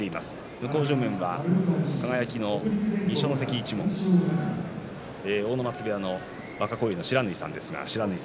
向正面は輝の二所ノ関一門阿武松部屋の若荒雄の不知火さんです。